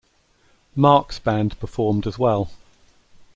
Marc's band performed as well.